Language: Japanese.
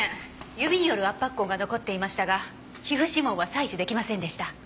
指による圧迫痕が残っていましたが皮膚指紋は採取出来ませんでした。